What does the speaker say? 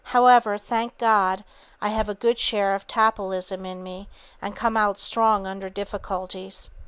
"However, thank God, I have a good share of Tapleyism in me and come out strong under difficulties.